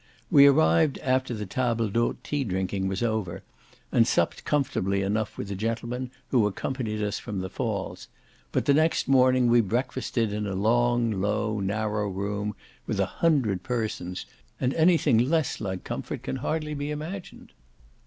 We arrived after the table d'hôte tea drinking was over, and supped comfortably enough with a gentleman, who accompanied us from the Falls: but the next morning we breakfasted in a long, low, narrow room, with a hundred persons, and any thing less like comfort can hardly be imagined.